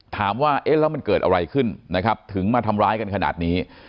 ถามว่าแล้วมันเกิดอะไรขึ้นถึงมาทำร้ายกันขนาดนี้